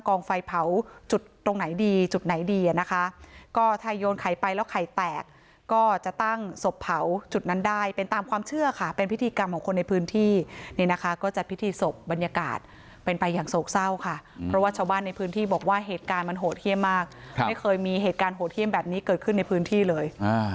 ก็จะตั้งศพเผาจุดนั้นได้เป็นตามความเชื่อค่ะเป็นพิธีกรรมของคนในพื้นที่นี่นะคะก็จะพิธีศพบรรยากาศเป็นไปอย่างโศกเศร้าค่ะเพราะว่าชาวบ้านในพื้นที่บอกว่าเหตุการณ์มันโหดเที่ยมมากไม่เคยมีเหตุการณ์โหดเที่ยมแบบนี้เกิดขึ้นในพื้นที่เลย